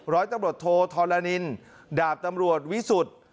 ร้อยตำรวจโทธรณินดาบตำรวจวิสุทธิ์